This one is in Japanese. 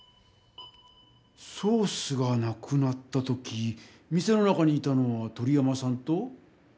ソースがなくなった時店の中にいたのは鳥山さんと。